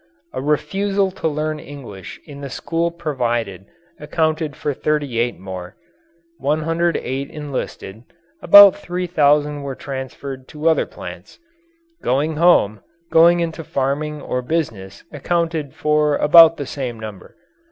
A refusal to learn English in the school provided accounted for 38 more; 108 enlisted; about 3,000 were transferred to other plants. Going home, going into farming or business accounted for about the same number.